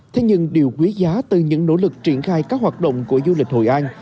thế nhưng điều quý giá từ những nỗ lực triển khai các hoạt động của du lịch hội an